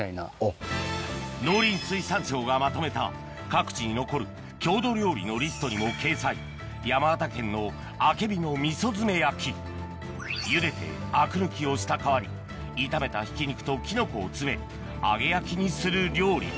農林水産省がまとめた各地に残る郷土料理のリストにも掲載ゆでてアク抜きをした皮に炒めたひき肉とキノコを詰め揚げ焼きにする料理